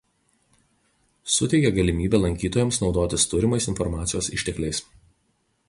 Suteikia galimybę lankytojams naudotis turimais informacijos ištekliais.